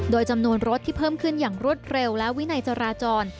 โดยจำนวนรถที่เพิ่มขึ้นอย่างรวดเร็วและวินัยจราจร